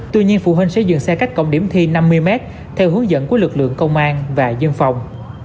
tuy nhiên phụ huynh sẽ dừng xe cách cộng điểm thi năm mươi m theo hướng dẫn của lực lượng công an và dân phòng